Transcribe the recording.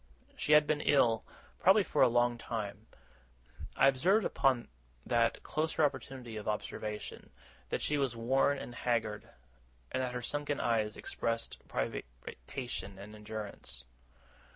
She had been ill, probably for a long time. I observed, upon that closer opportunity of observation, that she was worn and haggard, and that her sunken eyes expressed privation and endurance.